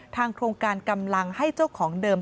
โครงการกำลังให้เจ้าของเดิม